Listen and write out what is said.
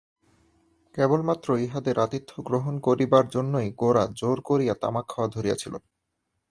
কেবলমাত্র ইহাদের আতিথ্য গ্রহণ করিবার জন্যই গোরা জোর করিয়া তামাক খাওয়া ধরিয়াছিল।